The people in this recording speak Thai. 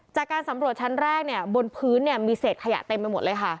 จากการสำรวจชั้นแรกเนี่ยบนพื้นเนี่ยมีเศษขยะเต็มไปหมดเลยค่ะ